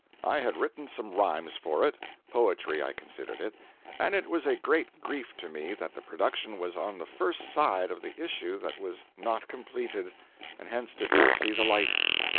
I had written some rhymes for it—poetry I considered it—and it was a great grief to me that the production was on the "first side" of the issue that was not completed, and hence did not see the light.